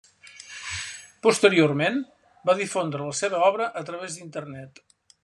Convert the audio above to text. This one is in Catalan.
Posteriorment, va difondre la seva obra a través d'Internet.